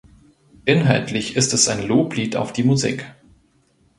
Inhaltlich ist es ein Loblied auf die Musik.